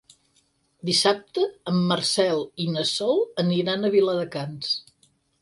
Dissabte en Marcel i na Sol aniran a Viladecans.